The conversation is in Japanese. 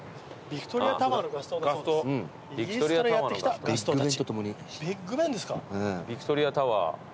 ヴィクトリア・タワー。